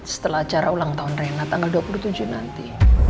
setelah acara ulang tahun renat tanggal dua puluh tujuh nanti